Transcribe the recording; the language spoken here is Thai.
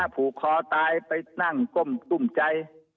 ผูกค้อตายไปนั่งก้มตุ้มใจ